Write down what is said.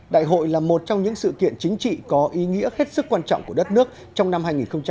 đại hội là một trong những sự kiện chính trị có ý nghĩa hết sức quan trọng của đất nước trong năm hai nghìn hai mươi